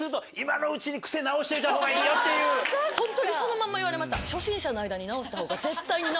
ホントにそのまんま言われました。